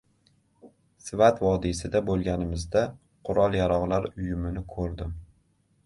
Svat vodiysida bo‘lganimizda qurol-yarog‘lar uyumini ko‘rdim